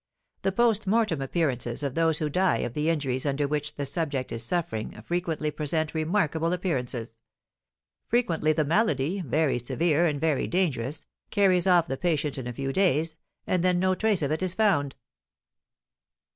The post mortem appearances of those who die of the injuries under which the subject is suffering frequently present remarkable appearances; frequently the malady, very severe and very dangerous, carries off the patient in a few days, and then no trace of it is found."